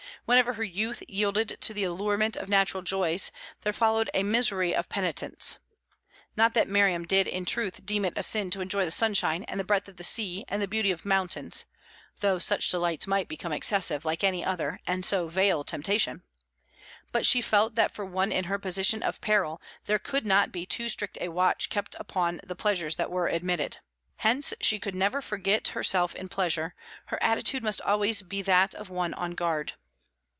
Whenever her youth yielded to the allurement of natural joys, there followed misery of penitence. Not that Miriam did in truth deem it a sin to enjoy the sunshine and the breath of the sea and the beauty of mountains (though such delights might become excessive, like any other, and so veil temptation), but she felt that for one in her position of peril there could not be too strict a watch kept upon the pleasures that were admitted. Hence she could never forget herself in pleasure; her attitude must always be that of one on guard.